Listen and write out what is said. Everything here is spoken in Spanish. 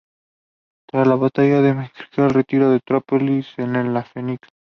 Tras la batalla, Demetrio se retiró a Trípoli, en Fenicia.